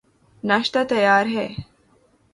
ناشتہ تیار ہے